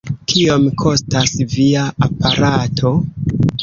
Kiom kostas via aparato?